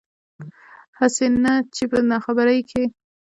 هسې نه چې پۀ ناخبرۍ کښې